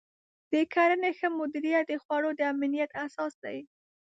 د کرنې ښه مدیریت د خوړو د امنیت اساس دی.